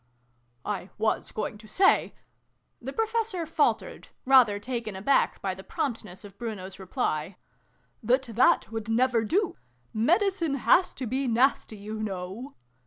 " I was going to say the Professor faltered, rather taken aback by the prompt ness of Bruno's reply, " that that would never do ! Medicine has to be nasty, you know.